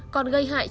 còn gây hại cho da